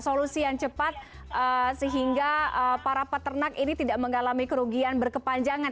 solusi yang cepat sehingga para peternak ini tidak mengalami kerugian berkepanjangan